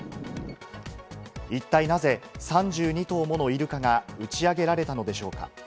一体なぜ３２頭ものイルカが打ちあげられたのでしょうか？